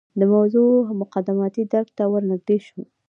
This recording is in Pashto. د موضوع مقدماتي درک ته ورنژدې شو.